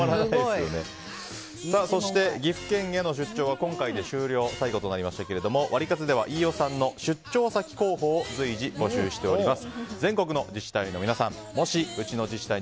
そして岐阜県への出張は今回で終了、最後ですがワリカツでは飯尾さんの出張先候補を随時募集しております。